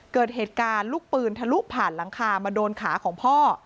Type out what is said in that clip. เกิดเหตุการณ์ลูกปืนทะลุผ่านหลังคามาโดนขาของพ่อ